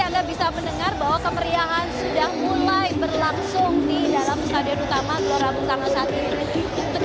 anda bisa mendengar bahwa kemeriahan sudah mulai berlangsung di dalam stadion utama gelora bung karno saat ini